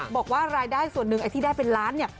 บอกว่ารายได้ส่วนหนึ่งไอ้ที่ได้เป็นล้านเนี่ย